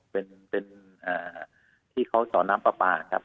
เป็นที่เขาสอนน้ำปลาปลาครับ